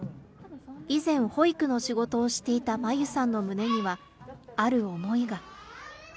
以前、保育の仕事をしていた真夕さんの胸には、ある思いが。